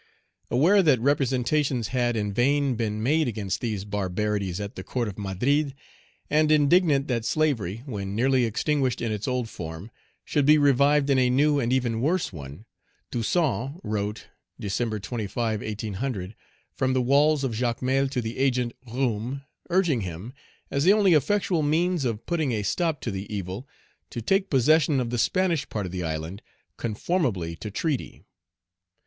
Aware that representations had in vain been made against these barbarities at the court of Madrid, and indignant that slavery, when nearly extinguished in its old form, should be revived in a new and even worse one, Toussaint wrote (Dec. 25, 1800), from the walls of Jacmel to the Agent, Roume, urging him, as the only effectual means of putting a stop to the evil, to take possession of the Spanish part of the island, conformably to treaty.